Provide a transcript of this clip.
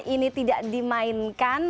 ini tidak dimainkan